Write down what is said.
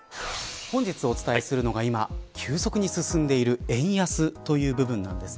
本日お伝えするのが今急速に進んでいる円安という部分です。